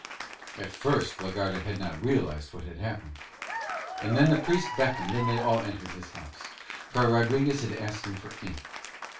At first la Garda had not realised what had happened. And then the Priest beckoned and they all entered his house, for Rodriguez had asked him for ink.